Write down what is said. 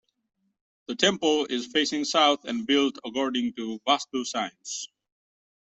The temple is facing south and built according to vastu science.